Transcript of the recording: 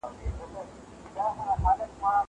زه به سبزېجات وچولي وي.